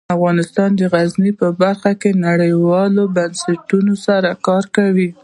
افغانستان د غزني په برخه کې نړیوالو بنسټونو سره کار کوي.